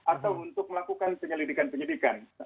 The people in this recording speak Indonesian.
atau untuk melakukan penyelidikan penyelidikan